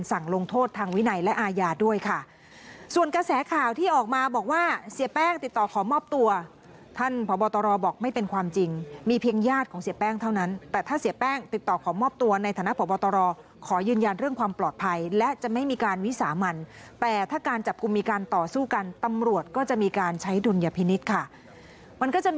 ลงโทษทางวินัยและอาญาด้วยค่ะส่วนกระแสข่าวที่ออกมาบอกว่าเสียแป้งติดต่อขอมอบตัวท่านพบตรบอกไม่เป็นความจริงมีเพียงญาติของเสียแป้งเท่านั้นแต่ถ้าเสียแป้งติดต่อขอมอบตัวในฐานะพบตรขอยืนยันเรื่องความปลอดภัยและจะไม่มีการวิสามันแต่ถ้าการจับกลุ่มมีการต่อสู้กันตำรวจก็จะมีการใช้ดุลยพินิษฐ์ค่ะมันก็จะมี